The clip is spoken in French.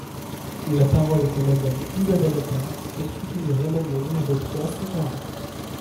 La parole est à Madame Isabelle Attard, pour soutenir l’amendement numéro trois cent quarante.